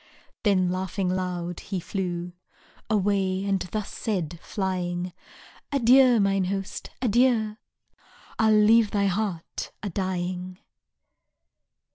Then, laughing loud, he flew Away, and thus said, flying: Adieu, mine host, adieu, I'll leave thy heart a dying.